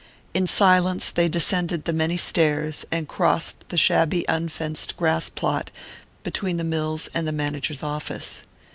In silence they descended the many stairs and crossed the shabby unfenced grass plot between the mills and the manager's office.